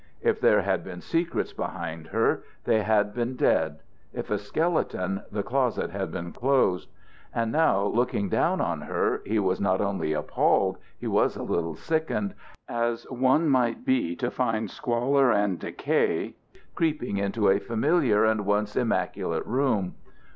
If there had been secrets behind her, they had been dead; if a skeleton, the closet had been closed. And now, looking down on her, he was not only appalled, he was a little sickened, as one might be to find squalor and decay creeping into a familiar and once immaculate room.